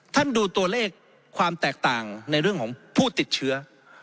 ดูตัวเลขความแตกต่างในเรื่องของผู้ติดเชื้อ